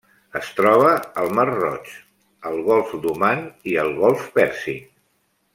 Es troba al mar Roig, el golf d'Oman i el golf Pèrsic.